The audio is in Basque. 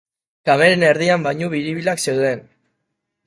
Kameren erdian bainu biribilak zeuden.